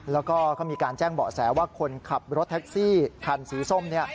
แล้วก็เขามีการแจ้งเบาะแสว่าคนขับรถแท็กซี่คันสีส้มเนี่ย